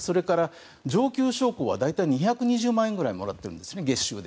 上級将校は大体２２０万円ぐらいもらってるんです、月収で。